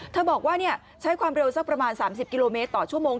บอกว่าใช้ความเร็วสักประมาณ๓๐กิโลเมตรต่อชั่วโมง